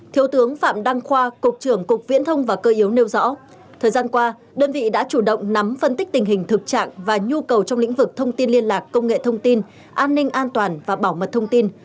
thiếu tướng phạm đăng khoa cục trưởng cục viễn thông và cơ yếu nêu rõ thời gian qua đơn vị đã chủ động nắm phân tích tình hình thực trạng và nhu cầu trong lĩnh vực thông tin liên lạc công nghệ thông tin an ninh an toàn và bảo mật thông tin